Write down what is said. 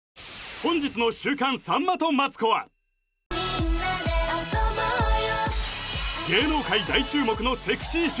本日の週刊さんまとマツコは皆んなで遊ぼうよ